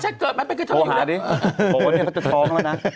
อ๋อใช้เกิดมันไปเกี่ยวเจ็บไปก่อนก็หาดิอ๋อในกดนี้เธอจะท้องแล้วนะ